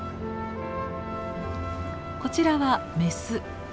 こちらはメス。